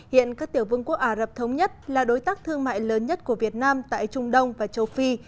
hiện các tiểu vương quốc ả rập thống nhất là đối tác thương mại lớn nhất của việt nam tại trung đông và châu phi